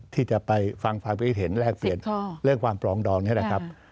ที่จะไปฟังความคิดเห็นแลกเปลี่ยนเรื่องความปลองดองนี่แหละครับ